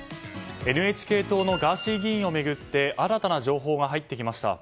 ＮＨＫ党のガーシー議員を巡って新たな情報が入ってきました。